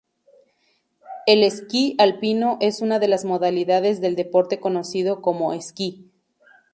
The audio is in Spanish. El esquí alpino es una de las modalidades del deporte conocido como esquí.